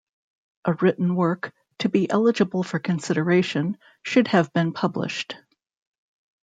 A written work, to be eligible for consideration, should have been published.